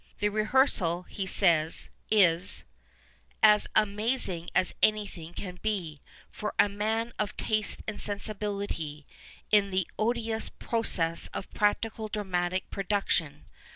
The rehearsal, he says, is " as amazing as anything can be, for a man of taste and sensibility, in the odious process of practical dramatic production.